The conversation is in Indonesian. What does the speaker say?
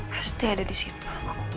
pasti ada disitu